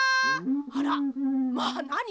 あらまあなにそれ。